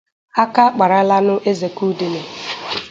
Aka akparala nụ ezekaudele